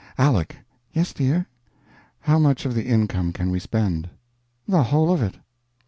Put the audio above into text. Aleck!" "Yes, dear?" "How much of the income can we spend?" "The whole of it."